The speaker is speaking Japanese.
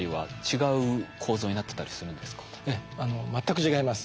ええ全く違います。